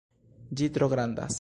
Ĝi tro grandas.